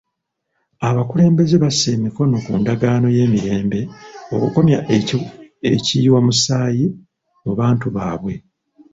Abakulembeze bassa emikono ku ndagaano y'emirembe okukomya ekiyiwamusaayi mu bantu baabwe.